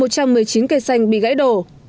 một trăm một mươi chín cây xanh bị gãy đổ